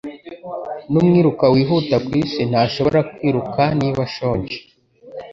N'umwiruka wihuta kwisi ntashobora kwiruka niba ashonje